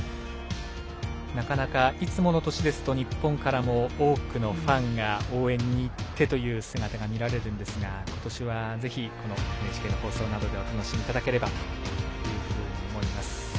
いつもの年ですと日本から多くのファンが応援に行ってという姿が見られるんですがことしはぜひＮＨＫの放送などでお楽しみいただければと思います。